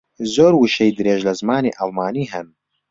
زۆر وشەی درێژ لە زمانی ئەڵمانی ھەن.